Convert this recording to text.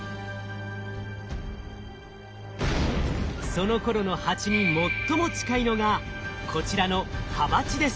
そのころのハチに最も近いのがこちらのハバチです。